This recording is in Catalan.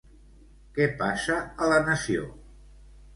Què passa a la nació?